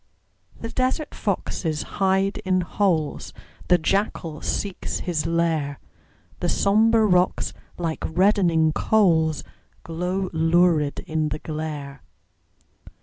The desert foxes hide in holes, The jackal seeks his lair; The sombre rocks, like reddening coals, Glow lurid in the glare.